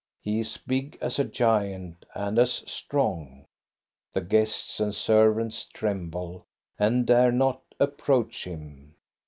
He is big as a giant, and as strong. The guests and servants tremble, and dare not approach him.